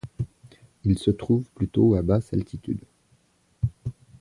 Il se trouve plutôt à basse altitude.